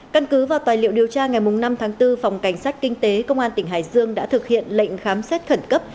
căn cứ vào tài liệu điều tra ngày năm tháng bốn phòng cảnh sát kinh tế công an tỉnh hải dương đã thực hiện lệnh khám xét khẩn cấp